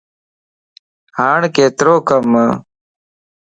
ھاڻ ڪيترو ڪمَ؟